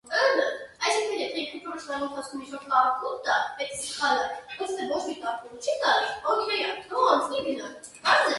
The team last placed in the first stage is relegated to the second division.